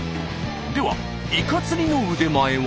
ではイカ釣りの腕前は？